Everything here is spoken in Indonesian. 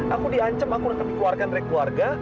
aku di ancem aku akan dikeluarkan dari keluarga